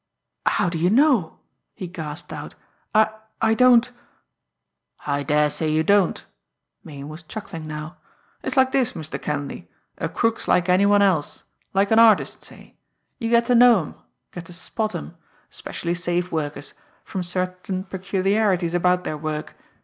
"How do you know?" he gasped out. "I I don't " "I daresay you don't." Meighan was chuckling now. "It's like this, Mr. Kenleigh. A crook's like any one else, like an artist, say you get to know 'em, get to spot 'em, especially safe workers, from certain peculiarities about their work.